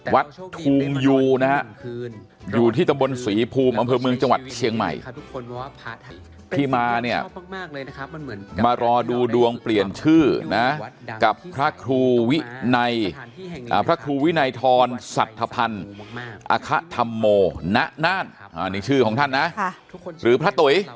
วัดทูงยูนะฮะอยู่ที่ตำบลศรีภูมิอำเภอเมืองจังหวัดเชียงใหม่ที่มาเนี่ยมารอดูดวงเปลี่ยนชื่อนะกับพระครูวินัยพระครูวินัยทรสัทธพันธ์อคธรรโมณน่านนี่ชื่อของท่านนะหรือพระตุ๋ย